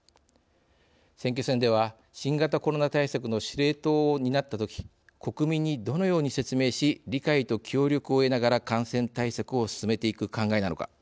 選挙戦では新型コロナ対策の司令塔を担ったとき国民にどのように説明し理解と協力を得ながら感染対策を進めていく考えなのか。